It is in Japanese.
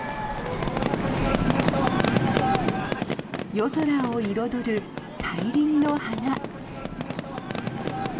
夜空を彩る大輪の花。